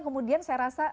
kemudian saya rasa